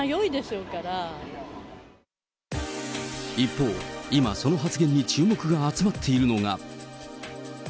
一方、今、その発言に注目が集まっているのが。